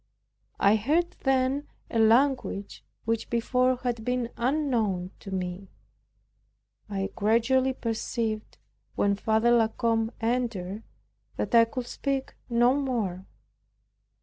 I heard then a language which before had been unknown to me. I gradually perceived, when Father La Combe entered, that I could speak no more.